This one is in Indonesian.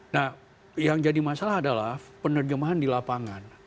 nah yang jadi masalah adalah penerjemahan di lapangan